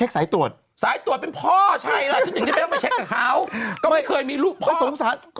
สายตัวล่ะสายตัวทำไง